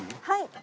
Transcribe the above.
はい。